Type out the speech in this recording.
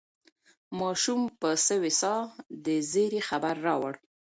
ماشوم په سوې ساه د زېري خبر راوړ.